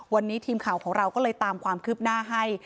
วันนี้ทีมข่าวของเราก็เลยตามความคืบหน้าให้